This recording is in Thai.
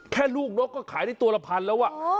แค่ลูกนกก็ขายได้ตัวละพันแล้ว